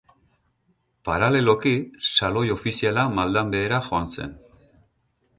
Paraleloki, Saloi ofiziala maldan behera joan zen.